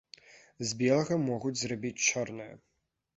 З белага могуць зрабіць чорнае.